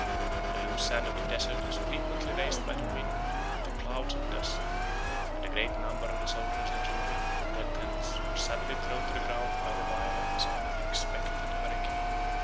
The loose sand of the desert was frequently raised by the wind into clouds of dust; and a great number of the soldiers of Julian, with their tents, were suddenly thrown to the ground by the violence of an unexpected hurricane.